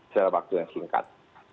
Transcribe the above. selama waktu yang singkat